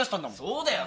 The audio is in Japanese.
そうだよ。